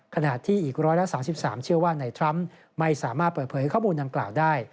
ขณะที่อีก๑๓๓เชื่อว่าในทรัมป์ไม่สามารถเปิดเผยข้อมูลดังกล่าวได้